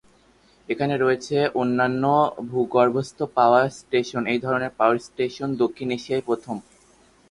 এখানে রয়েছে অনন্য ভূগর্ভস্থ পাওয়ার স্টেশন; এই ধরনের পাওয়ার স্টেশন দক্ষিণ এশিয়ায় প্রথম।